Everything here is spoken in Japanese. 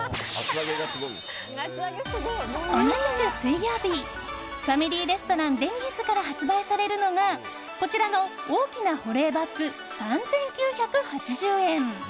同じく水曜日ファミリーレストランデニーズから発売されるのがこちらの大きな保冷バッグ３９８０円。